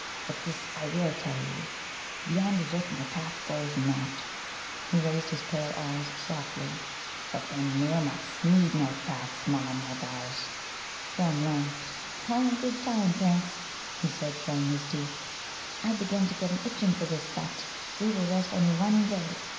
But this I will tell you: Beyond Zut my paths go not." He raised his pale eyes softly. "But then, Meermuts need no paths, Mulla mulgars." Thumb laughed. "All in good time, Prince," he said, showing his teeth. "I begin to get an itching for this Zut. We will rest only one day.